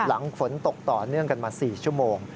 หลังฝนตกต่อเนื่องกันมา๔ชั่วโมง